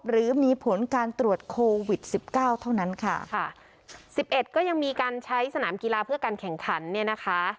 หรือมีผลการตรวจโควิดสิบเก้าเท่านั้นค่ะค่ะสิบเอ็ดก็ยังมีการใช้สนามกีฬาเพื่อการแข่งขันเนี่ยนะคะ